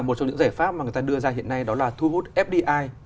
một trong những giải pháp mà người ta đưa ra hiện nay đó là thu hút fdi